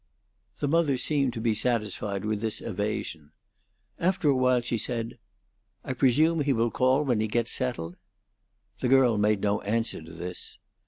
The mother seemed to be satisfied with this evasion. After a while she said, "I presume he will call when he gets settled." The girl made no answer to this.